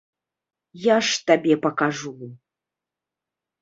Я ж табе пакажу!